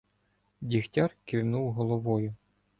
Дігтяр кивнув головою.